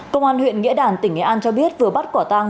công an huyện nghĩa đàn tỉnh nghệ an cho biết vừa bắt quả tang